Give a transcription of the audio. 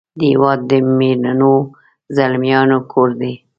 د هیواد د میړنو زلمیانو کور دی .